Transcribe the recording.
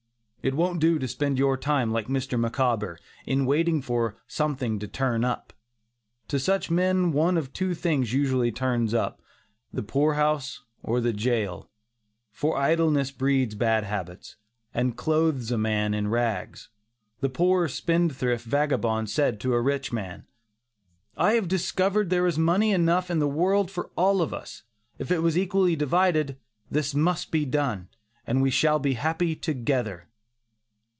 It won't do to spend your time like Mr. Micawber, in waiting for something to "turn up." To such men one of two things usually "turns up": the poor house or the jail; for idleness breeds bad habits, and clothes a man in rags. The poor spendthrift vagabond said to a rich man: "I have discovered there is money enough in the world for all of us, if it was equally divided; this must be done, and we shall all be happy together."